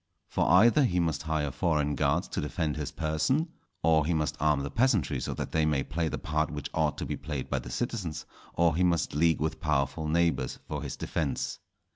For either he must hire foreign guards to defend his person; or he must arm the peasantry, so that they may play the part which ought to be played by the citizens; or he must league with powerful neighbours for his defence.